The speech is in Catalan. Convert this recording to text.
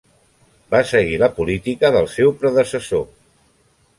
Va seguir la política del seu predecessor.